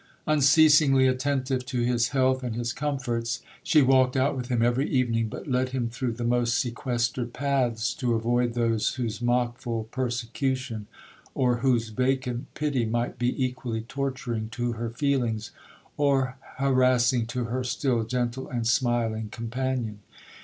'Unceasingly attentive to his health and his comforts, she walked out with him every evening, but led him through the most sequestered paths, to avoid those whose mockful persecution, or whose vacant pity, might be equally torturing to her feelings, or harassing to her still gentle and smiling companion.